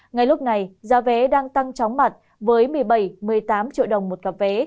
ngay lúc này giá vé đang tăng chóng mặt với một mươi bảy một mươi tám triệu đồng một cặp vé